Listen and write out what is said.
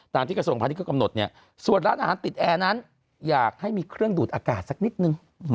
ที่กระทรวงพาณิชก็กำหนดเนี่ยส่วนร้านอาหารติดแอร์นั้นอยากให้มีเครื่องดูดอากาศสักนิดนึง